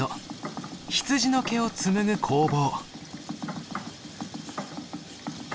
羊の毛を紡ぐ工房。